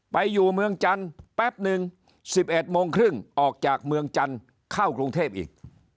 ไปอยู่เมืองจันทร์แป๊บนึง๑๑โมงครึ่งออกจากเมืองจันทร์เข้ากรุงเทพอีก